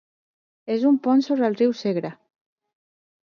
És un pont sobre el riu Segre.